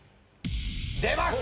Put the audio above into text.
出ました！